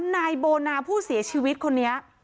นายโบนาผู้เสียชีวิตคนนี้